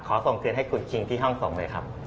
ส่งคืนให้คุณคิงที่ห้องส่งเลยครับ